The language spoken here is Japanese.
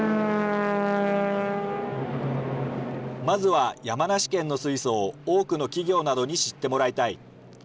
まずは山梨県の水素を多くの企業などに知ってもらいたい。